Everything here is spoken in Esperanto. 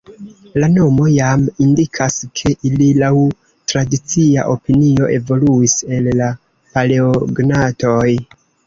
La nomo jam indikas, ke ili laŭ tradicia opinio evoluis el la Paleognatoj.